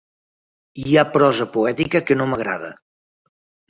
Hi ha prosa poètica que no m'agrada.